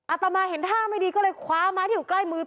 อาตมาเห็นท่าไม่ดีก็เลยคว้าไม้ที่อยู่ใกล้มือ